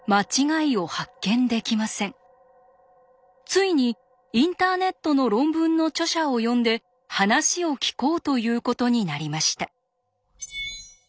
ついにインターネットの論文の著者を呼んで話を聞こうということになりました。